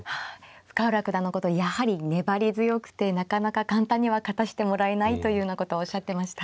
深浦九段のことをやはり粘り強くてなかなか簡単には勝たしてもらえないというようなことをおっしゃってました。